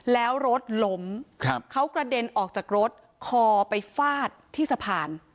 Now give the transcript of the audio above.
แล้วรถล้มเขากระเด็นออกจากรถคอไปฟาดที่สะพาน